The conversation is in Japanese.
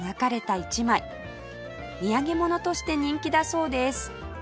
土産物として人気だそうです